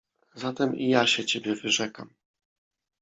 — Zatem i ja się ciebie wyrzekam!